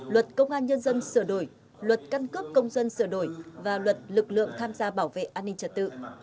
luật công an nhân dân sửa đổi luật căn cước công dân sửa đổi và luật lực lượng tham gia bảo vệ an ninh trật tự